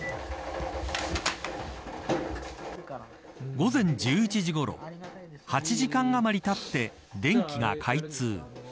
午前１１時ごろ８時間あまりたって電気が開通。